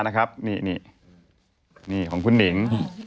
นี่ของคุณหนิง